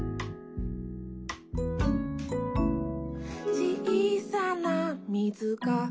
「ちいさなみずが」